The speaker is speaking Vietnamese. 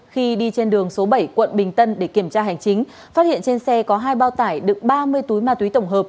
khi đi trên đường số bảy quận bình tân để kiểm tra hành chính phát hiện trên xe có hai bao tải đựng ba mươi túi ma túy tổng hợp